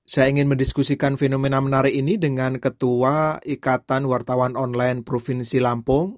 saya ingin mendiskusikan fenomena menarik ini dengan ketua ikatan wartawan online provinsi lampung